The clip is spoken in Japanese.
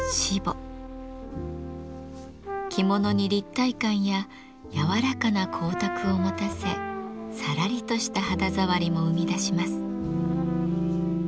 着物に立体感や柔らかな光沢を持たせさらりとした肌触りも生み出します。